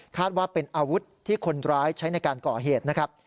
ว่าเป็นอาวุธที่คนร้ายใช้ในการก่อเหตุนะครับ